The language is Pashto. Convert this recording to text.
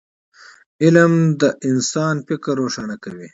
علم د انسان فکر روښانه کوي